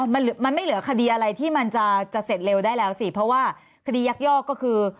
อ๋อมันมันไม่เหลือคดีอะไรที่จะเสร็จเเลวได้ละเพราะว่าคดียักยกก็คือ